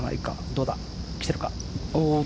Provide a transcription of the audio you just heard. どうだ、来てるか。